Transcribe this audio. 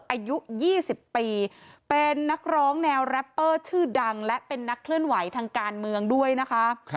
อายุ๒๐ปีเป็นนักร้องแนวแรปเปอร์ชื่อดังและเป็นนักเคลื่อนไหวทางการเมืองด้วยนะคะ